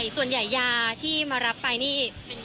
ส่วนใหญ่ยาที่มารับไปนี่